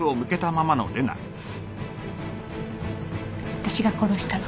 私が殺したの。